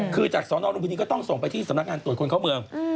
คือจากสนรุมพินีก็ต้องส่งไปที่สำนักงานตรวจคนเข้าเมือง